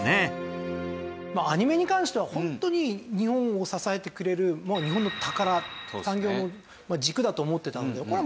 アニメに関してはホントに日本を支えてくれる日本の宝産業の軸だと思ってたのでこれは